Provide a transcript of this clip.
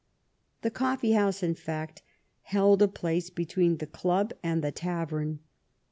The coffee house, in fact, held a place between the club and the tavern.